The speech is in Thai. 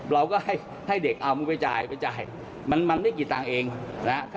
เราก็ให้เด็กเอามันไปจ่ายมันได้กี่ตังค์เองนะครับ